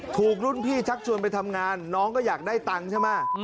ถูกรุ่นพี่ชักชวนไปทำงานน้องก็อยากได้ตังค์ใช่ไหม